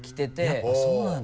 やっぱそうなんだ。